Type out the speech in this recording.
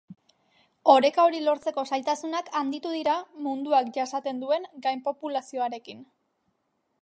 Oreka hori lortzeko zailtasunak handitu dira munduak jasaten duen gainpopulazioarekin.